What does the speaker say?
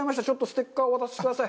ステッカーをお渡しさせてください。